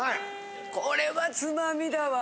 これはつまみだわ。